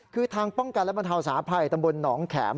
คือทางป้องกันและบรรเทาสาภัยตำบลหนองแข็ม